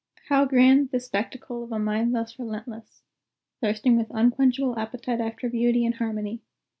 "How grand the spectacle of a mind thus restless thirsting with unquenchable appetite after beauty and harmony!